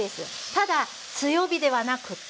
ただ強火ではなくって。